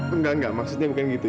enggak enggak maksudnya bukan gitu